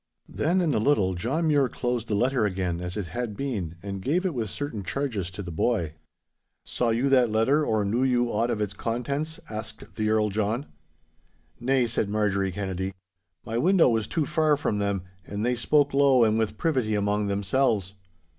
'Then in a little John Mure closed the letter again as it had been and gave it with certain charges to the boy.' 'Saw you that letter or knew you aught of its contents?' asked the Earl John. 'Nay,' said Marjorie Kennedy, 'my window was too far from, them, and they spoke low and with privity among themselves.